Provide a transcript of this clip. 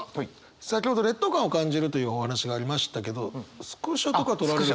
先ほど劣等感を感じるというお話がありましたけどスクショとか撮られるという。